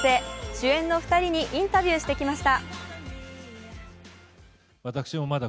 主演の２人にインタビューしてきました。